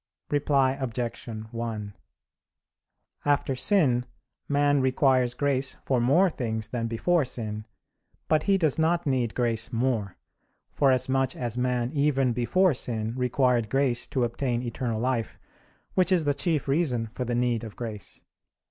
Reply Obj. 1: After sin man requires grace for more things than before sin; but he does not need grace more; forasmuch as man even before sin required grace to obtain eternal life, which is the chief reason for the need of grace.